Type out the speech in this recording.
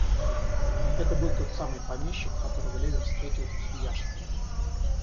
Это был тот самый помещик, которого Левин встретил у Свияжского.